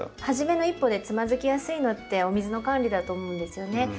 初めの一歩でつまずきやすいのってお水の管理だと思うんですよね。